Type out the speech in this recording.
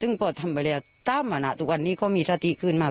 ต้องพอทำไปแล้วตามวันนี้ก็มีศติคืนมา